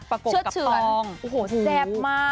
เชื้อเชื้อกับทองแซ่บมาก